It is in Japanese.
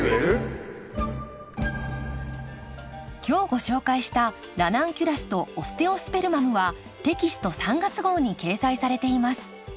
今日ご紹介した「ラナンキュラスとオステオスペルマム」はテキスト３月号に掲載されています。